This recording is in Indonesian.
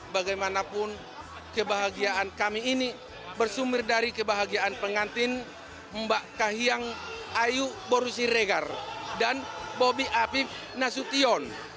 bagaimanapun kebahagiaan kami ini bersumber dari kebahagiaan pengantin mbak kahiyang ayu borusiregar dan bobi apif nasution